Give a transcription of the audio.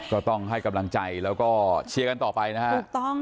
ก็ต้องให้กำลังใจแล้วก็เชียร์กันต่อไปนะฮะถูกต้อง